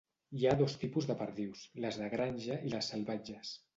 Hi ha dos tipus de perdius, les de granja i les salvatges.